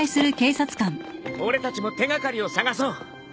俺たちも手掛かりを探そう。